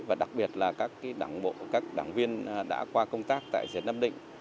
và đặc biệt là các đảng bộ các đảng viên đã qua công tác tại việt nam định